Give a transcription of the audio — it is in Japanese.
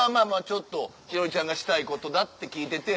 ちょっと栞里ちゃんがしたいことだって聞いてて。